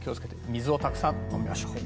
水をたくさん飲みましょう。